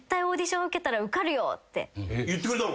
言ってくれたの？